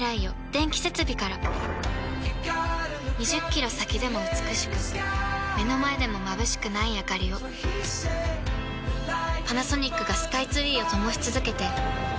２０キロ先でも美しく目の前でもまぶしくないあかりをパナソニックがスカイツリーを灯し続けて今年で１０年